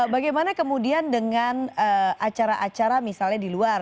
bagaimana kemudian dengan acara acara misalnya di luar